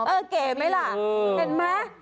อือเก่มมั้ยล่ะเห็นมั้ย